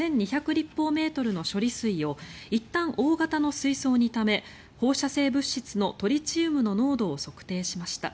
立方メートルの処理水をいったん大型の水槽にため放射性物質のトリチウムの濃度を測定しました。